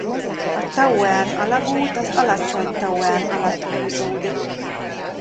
A Tauern-alagút az Alacsony-Tauern alatt húzódik.